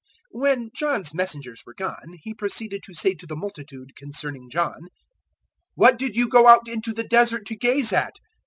007:024 When John's messengers were gone, He proceeded to say to the multitude concerning John, "What did you go out into the Desert to gaze at?